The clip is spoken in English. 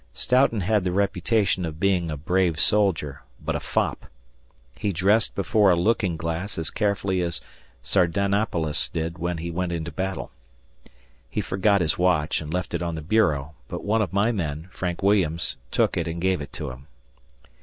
Stoughton had the reputation of being a brave soldier, but a fop. He dressed before a looking glass as carefully as Sardanapalus did when he went into battle. He forgot his watch and left it on the bureau, but one of my men, Frank Williams, took it and gave it to him.